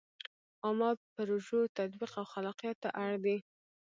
عامه پروژو تطبیق او خلاقیت ته اړ دی.